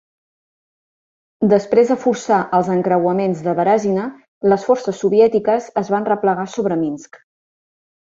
Després de forçar els encreuaments de Berezina, les forces soviètiques es van replegar sobre Minsk.